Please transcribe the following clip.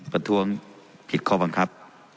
ประท้วงผิดข้อบังคับ